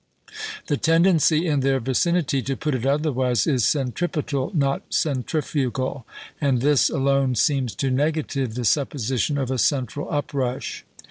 The tendency in their vicinity, to put it otherwise, is centripetal, not centrifugal; and this alone seems to negative the supposition of a central uprush.